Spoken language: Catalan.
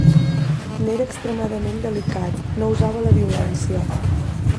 N'era extremadament delicat, no usava la violència.